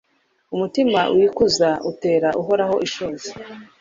Umutima wikuza utera Uhoraho ishozi